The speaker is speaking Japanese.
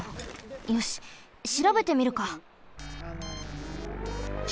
よししらべてみるか。